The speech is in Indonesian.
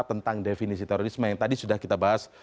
tentang definisi terorisme yang tadi sudah kita bahas